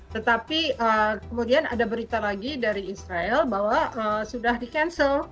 tetapi kemudian ada berita lagi dari israel bahwa sudah di cancel